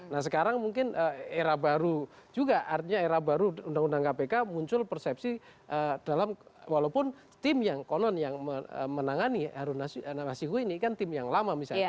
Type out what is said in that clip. nah sekarang mungkin era baru juga artinya era baru undang undang kpk muncul persepsi dalam walaupun tim yang konon yang menangani harun masihu ini kan tim yang lama misalnya